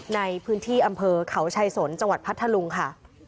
ในพื้นที่อำเภอเขาชายสนจังหวัดพัทธลุงค่ะ